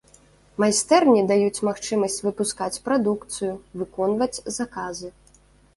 Майстэрні даюць магчымасць выпускаць прадукцыю, выконваць заказы.